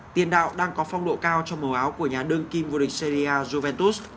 tiền đạo đang có phong độ cao trong màu áo của nhà đương kim vua địch serie a juventus